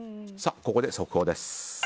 ここで速報です。